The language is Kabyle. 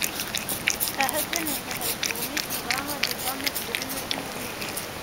ahat d anemhal n uɣmis yebɣa ad iẓer ma beddlen azemz n uzmaz